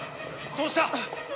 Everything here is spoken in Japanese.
どうした？